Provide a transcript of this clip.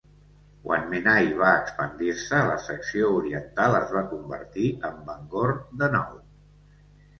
Quan Menai va expandir-se, la secció oriental es va convertir en Bangor de nou.